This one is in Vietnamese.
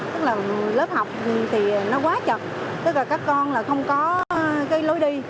tức là lớp học thì nó quá chật tức là các con là không có cái lối đi